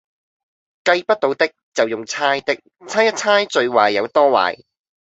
計不到的，就用猜的，猜一猜最壞有多壞